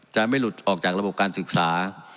จะไม่หลุดออกจากระบบการศึกษา